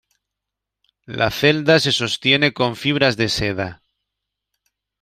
La celda se sostiene con fibras de seda.